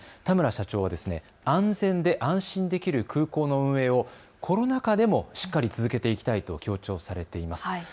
田村社長は安全で安心できる空港の運営をコロナ禍でもしっかり続けていきたいと強調されています。